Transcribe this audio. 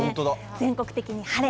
全国的に晴れ。